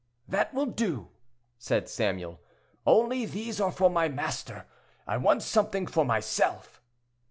"That will do," said Samuel; "only these are for my master: I want something for myself."